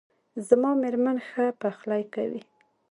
زما میرمن ښه پخلی کوي